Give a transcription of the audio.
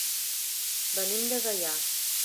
Venim de Gaià.